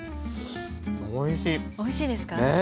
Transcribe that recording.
おいしいですかね。